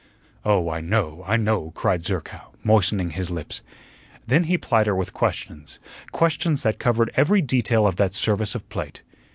"Oh, I know, I know," cried Zerkow, moistening his lips. Then he plied her with questions questions that covered every detail of that service of plate.